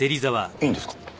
いいんですか？